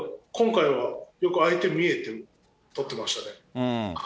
今回は、よく相手見えて、取ってましたね。